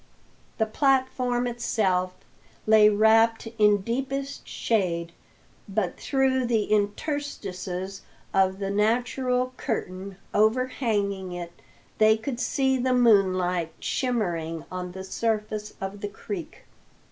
The platform itself lay wrapped in deepest shade, but through the interstices of the natural curtain overhanging it they could see the moonlight shimmering on the surface of the creek.